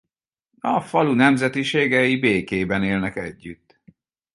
A falu nemzetiségei békében élnek együtt.